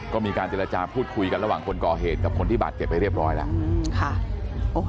ก็มีการเจรจาพูดคุยกันระหว่างคนก่อเหตุกับคนที่บาดเจ็บไปเรียบร้อยแล้ว